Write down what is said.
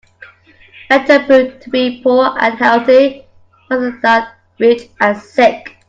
Better to be poor and healthy rather than rich and sick.